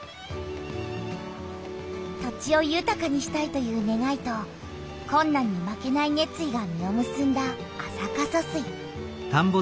土地をゆたかにしたいというねがいとこんなんに負けないねつ意が実をむすんだ安積疏水。